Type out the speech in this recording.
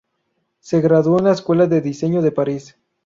Se graduó en la Escuela de Diseño de París.